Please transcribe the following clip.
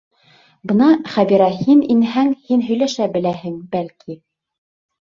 Бына, Хәбирә, һин инһәң, һин һөйләшә беләһең, бәлки...